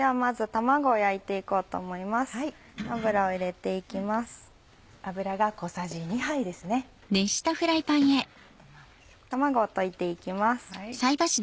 卵を溶いて行きます。